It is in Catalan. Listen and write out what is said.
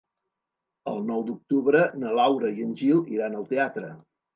El nou d'octubre na Laura i en Gil iran al teatre.